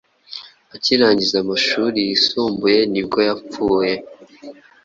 Akirangiza amashuri yisumbuye nibwo yapfuye